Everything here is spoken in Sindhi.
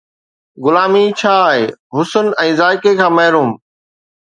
غلامي ڇا آهي؟ حسن ۽ ذائقي کان محروم